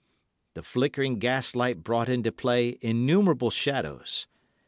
The flickering gas light brought into play innumerable shadows.